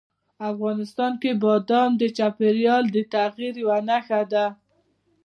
افغانستان کې بادام د چاپېریال د تغیر یوه نښه ده.